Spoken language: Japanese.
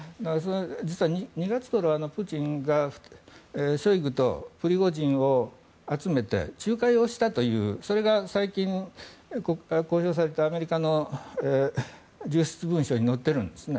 実は、２月ごろプーチンがショイグとプリゴジンを集めて仲介をしたというそれが最近、公表されたアメリカの流出文書に載っているんですね。